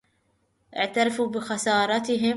اعترفوا بخسارتهم.